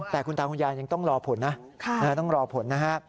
แต่คุณตาคุณยายยังต้องรอผลนะต้องรอผลนะฮะ